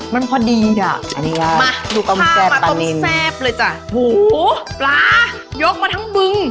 มันพอดีอ่ะมั้นที่นี่มาต้องเสร็ไปจ้ะหูหูปลาโยกมาทั้งบึง